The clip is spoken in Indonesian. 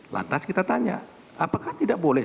lantas kita tanya apakah tidak boleh